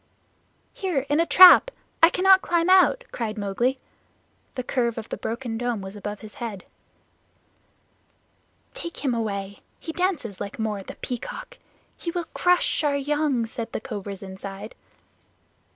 "Here, in a trap. I cannot climb out," cried Mowgli. The curve of the broken dome was above his head. "Take him away. He dances like Mao the Peacock. He will crush our young," said the cobras inside.